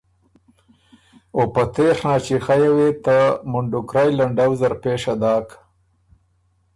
او په تېڒ ناچیخئ یه وې ته مُنډُکرئ لنډؤ زر پېشه داک